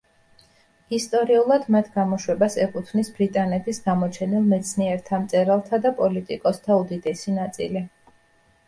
ისტორიულად, მათ გამოშვებას ეკუთვნის ბრიტანეთის გამოჩენილ მეცნიერთა, მწერალთა და პოლიტიკოსთა უდიდესი ნაწილი.